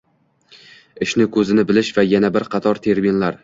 «ishni ko‘zini bilish» va yana bir qator terminlar